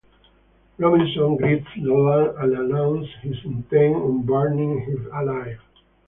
Robinson greets Dolan and announces his intent on burying him alive.